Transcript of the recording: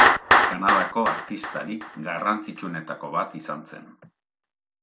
Kanadako artistarik garrantzitsuenetako bat izan zen.